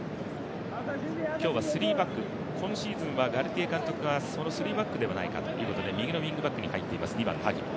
今日はスリーバック今シーズンはガルティエ監督がスリーバックではないかということで右のウイングバックに入っています、ハキミ。